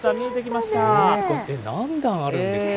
何段あるんですかね。